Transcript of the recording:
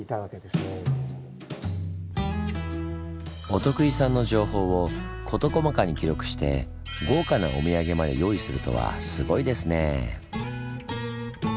お得意さんの情報を事細かに記録して豪華なお土産まで用意するとはすごいですねぇ。